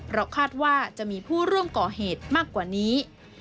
เพราะคาดว่าจะมีผู้ร่วมก่อเหตุมากกว่านี้